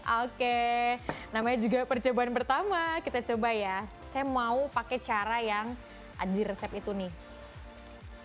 oke namanya juga percobaan pertama kita coba ya saya mau pakai cara yang ada di resep itu nih